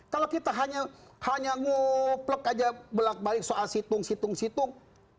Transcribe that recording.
kalau kita hanya ngoplek aja belak balik soal situng situng situng